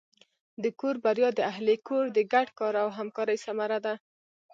د کور بریا د اهلِ کور د ګډ کار او همکارۍ ثمره ده.